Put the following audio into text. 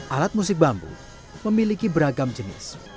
alat musik bambu memiliki beragam jenis